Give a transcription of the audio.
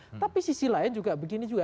dan kemudian ke demokrasi lain juga begini juga